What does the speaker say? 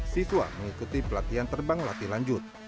siswa mengikuti pelatihan terbang latihan lanjut